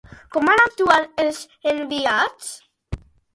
Com van actuar els enviats?